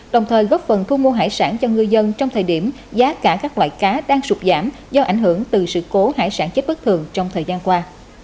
đồng thời góp phần thu mua hải sản cho ngư dân trong thời điểm giá cả các loại cá đang sụp giảm do ảnh hưởng từ sự cố hải sản chết bất thường trong thời gian qua